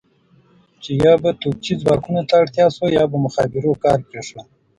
چې یا به توپچي ځواکونو ته اړتیا شوه یا به مخابرو کار پرېښود.